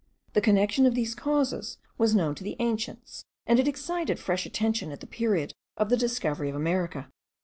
The connection of these causes was known to the ancients, and it excited fresh attention at the period of the discovery of America.